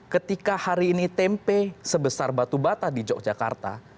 ketika hari ini tempe sebesar batu bata di yogyakarta